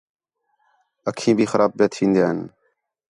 اَکّھیں بھی خراب پِیاں تھین٘دیاں ہِن